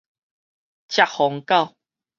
赤風狗